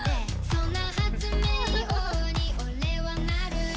「そんな発明王にオレはなる」